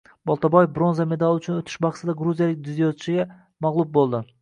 Boltaboyev bronza medali uchun o‘tish bahsida gruziyalik dzyudochiga mag‘lub bo‘ldi